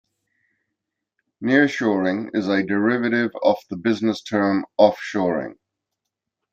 Nearshoring is a derivative of the business term offshoring.